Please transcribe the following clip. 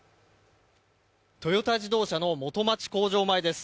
トヨタ自動車の元町工場前です。